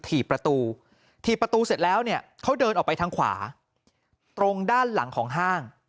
ถีบประตูถีบประตูเสร็จแล้วเนี่ยเขาเดินออกไปทางขวาตรงด้านหลังของห้าง